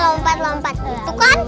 lompat lompat gitu kan